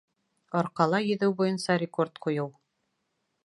Арҡала йөҙөү буйынса рекорд ҡуйыу